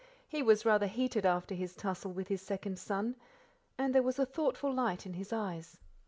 He was rather heated after his tussle with his second son, and there was a thoughtful light in his eyes.